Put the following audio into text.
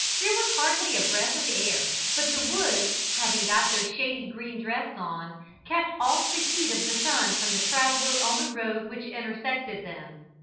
There was hardly a breath of air, but the woods having got their shady green dress on, kept off the heat of the sun from the traveller on the road which intersected them.